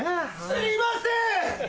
すいません！